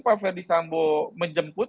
pak ferdisambo menjemput